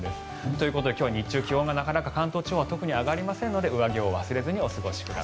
ということで今日は日中気温が関東地方はなかなか上がりませんので上着を忘れずにお願いします。